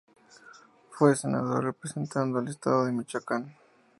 Fue senador representando al estado de Michoacán.